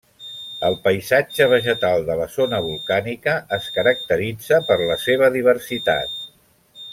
El paisatge vegetal de la zona volcànica es caracteritza per la seva diversitat.